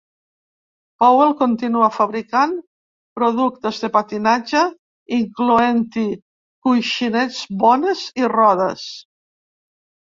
Powell continua fabricant productes de patinatge, incloent-hi coixinets Bones i rodes.